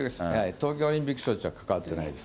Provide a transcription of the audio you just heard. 東京オリンピック招致は関わってないです。